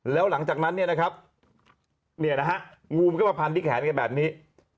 แล้วหลังจากนั้นเนี่ยนะครับเนี่ยนะฮะงูมันก็มาพันที่แขนกันแบบนี้